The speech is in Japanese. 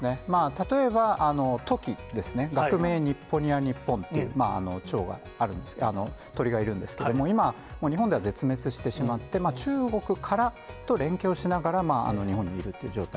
例えばトキですね、学名、ニッポニアニッポンという鳥がいるんですけれども、今、日本では絶滅してしまって、中国からと連携をしながら、日本にいるという状態。